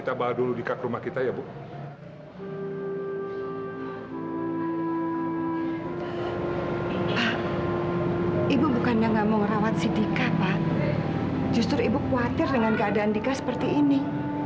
tidak ada di sini